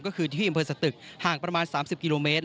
ก็คือที่อำเภอสตึกห่างประมาณ๓๐กิโลเมตร